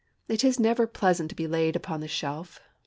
It is never pleasant to be laid upon the shelf.